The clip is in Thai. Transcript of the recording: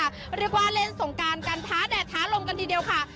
เรียกว่าเล่นสงการกันท้าแดดท้าลมกันทีเดียวค่ะ